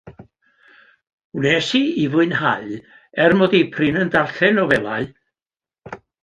Wnes i ei fwynhau, er mod i prin yn darllen nofelau.